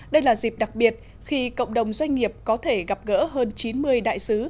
đây là dịp đặc biệt khi cộng đồng doanh nghiệp có thể gặp gỡ hơn chín mươi đại sứ